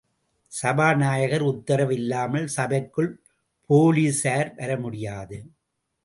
சபாநாயகர் உத்தரவு இல்லாமல் சபைக்குள் போலீசார்வர முடியாது.